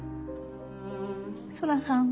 そらさん？